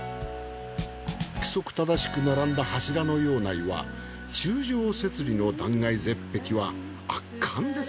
規則正しく並んだ柱のような岩柱状節理の断崖絶壁は圧巻です。